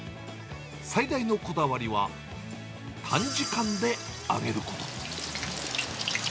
最大のこだわりは、短時間で揚げること。